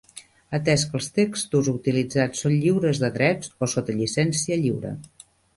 Atès que els textos utilitzats són lliures de drets o sota llicència lliure.